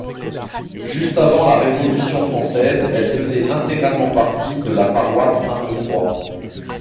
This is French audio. Juste avant la Révolution française, elle faisait intégralement partie de la paroisse Sainte-Croix.